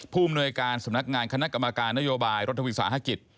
ผู้มนวยการสำนักงานคณะกรรมการนโยบายรถวิศาธิกษ์